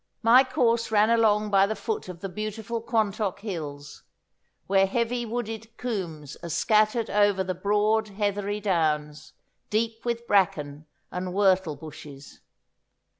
My course ran along by the foot of the beautiful Quantock Hills, where heavy wooded coombes are scattered over the broad heathery downs, deep with bracken and whortle bushes.